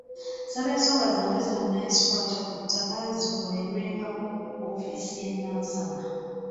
Nsaba ensonga zange zonna ezikwata ku ttaka zikolerwengako ku ofiisi y’e Nansana.